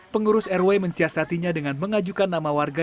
pengurus rw mensiasatinya dengan mengajukan nama warga